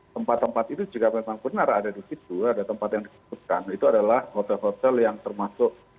tempat tempat itu juga memang benar ada di situ ada tempat yang disebutkan itu adalah hotel hotel yang termasuk